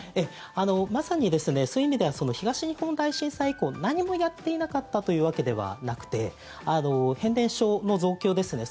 まさにそういう意味では東日本大震災以降何もやっていなかったというわけではなくて変電所の増強ですね